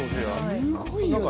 すごいよね！